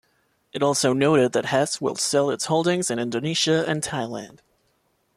It also noted that Hess will sell its holdings in Indonesia and Thailand.